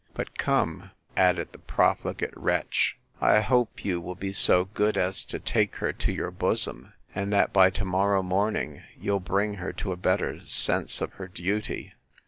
—But come, added the profligate wretch, I hope you will be so good, as to take her to your bosom; and that, by to morrow morning, you'll bring her to a better sense of her duty!